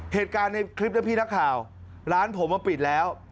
เหตุการณ์ในคลิปนะพี่นักข่าวร้านผมมาปิดแล้ว